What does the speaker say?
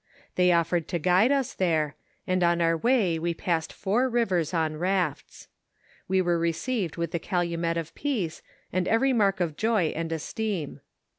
They offered to guide us there, and on our way we passed four rivers on rafts. We were received with the calumet of peace, and every mark of joy and esteem.